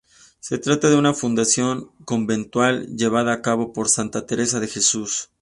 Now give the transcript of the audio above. Se trata de una fundación conventual llevada a cabo por Santa Teresa de Jesús.